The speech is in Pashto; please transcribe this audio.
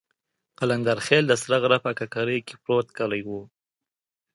قلندرخېل د سره غره په ککرۍ کې پروت کلی وو.